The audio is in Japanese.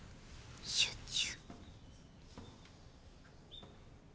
集中。